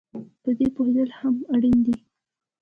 په دې پوهېدل هم اړین دي